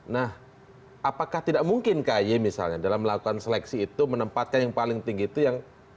nah apakah tidak mungkin kay misalnya dalam melakukan seleksi itu menempatkan yang paling tinggi itu yang